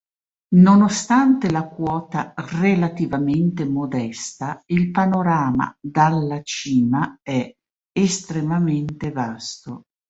Nonostante la quota relativamente modesta, il panorama dalla cima è estremamente vasto.